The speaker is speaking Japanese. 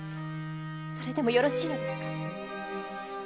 それでもよろしいのですか。